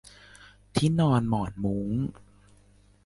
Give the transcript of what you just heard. ที่นอนหมอนมุ้ง